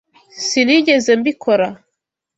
Sinigeze mbikora.